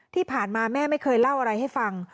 ที่ผ่านมาแม่ไม่เคยเล่าอะไรให้ฟัง